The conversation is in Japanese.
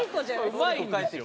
うまいんですよ。